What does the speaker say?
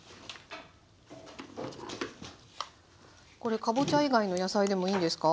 これかぼちゃ以外の野菜でもいいんですか？